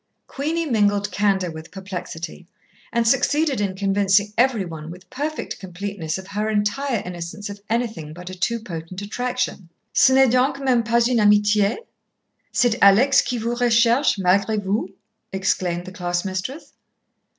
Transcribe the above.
Queenie mingled candour with perplexity, and succeeded in convincing every one with perfect completeness of her entire innocence of anything but a too potent attraction. "Ce n'est donc même pas une amitié? C'est Alex qui vous recherche malgré vous!" exclaimed the class mistress.